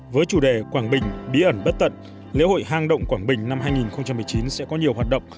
với chủ đề quảng bình bí ẩn bất tận lễ hội hang động quảng bình năm hai nghìn một mươi chín sẽ có nhiều hoạt động